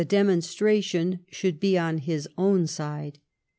xxxiv demonstration should be on his own side.